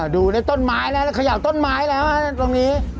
ดูต้นไม้แล้วเคย่าต้นไม้ตรงนี้